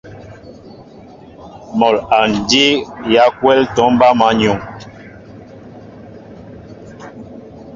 Mol a njii yaakwɛl tomba măn yu.